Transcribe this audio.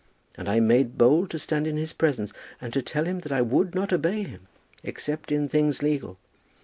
And I made bold to stand in his presence and to tell him that I would not obey him, except in things legal.